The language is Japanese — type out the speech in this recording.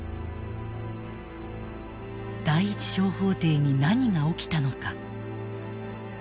第一小法廷に何が起きたのか。